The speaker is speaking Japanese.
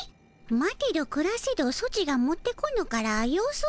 待てどくらせどソチが持ってこぬから様子を見に来たのじゃ。